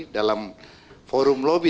dalam forum lobby